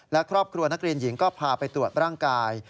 และครอบครัวนักเรียนหญิงก็พาไปตรวจร่างกาย